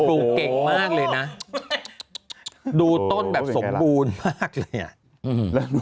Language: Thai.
ดูเก่งมากเลยนะดูต้นแบบสมบูรณ์มากเลยอ่ะ